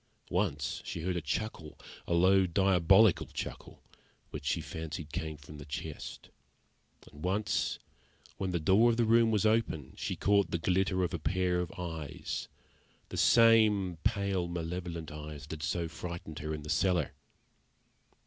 Once she heard a chuckle, a low, diabolical chuckle, which she fancied came from the chest; and once, when the door of the room was open, she caught the glitter of a pair of eyes the same pale, malevolent eyes that had so frightened her in the cellar.